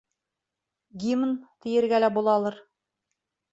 Гимн тиергә лә булалыр.